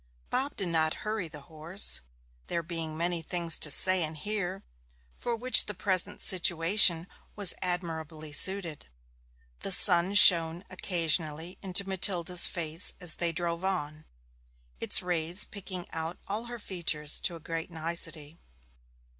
Bob did not hurry the horse, there being many things to say and hear, for which the present situation was admirably suited. The sun shone occasionally into Matilda's face as they drove on, its rays picking out all her features to a great nicety.